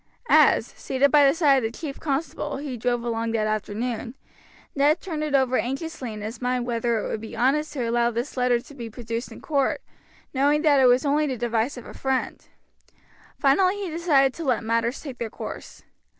As, seated by the side of the chief constable, he drove along that afternoon, Ned turned it over anxiously in his mind whether it would be honest to allow this letter to be produced in court, knowing that it was only the device of a friend, Finally he decided to let matters take their course.